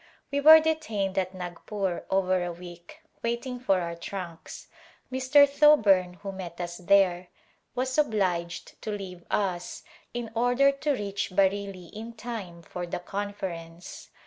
We were detained at Nagpur over a week waiting for our trunks. Mr. Thoburn, who met us there, was obliged to leave us in order to reach Bareilly in time for the conference.